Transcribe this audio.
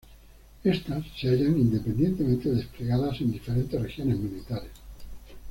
Éstas se hallan independientemente desplegadas en diferentes regiones militares.